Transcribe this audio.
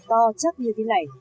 to chắc như thế này